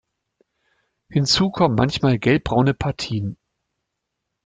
Hinzu kommen manchmal gelbbraune Partien.